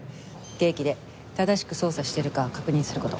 計器で正しく操作してるか確認する事。